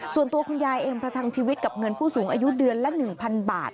ส่วนตัวคุณยายเองประทังชีวิตกับเงินผู้สูงอายุเดือนละ๑๐๐บาท